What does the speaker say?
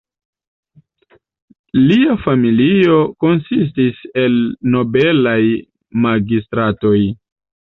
Lia familio konsistis el nobelaj magistratoj.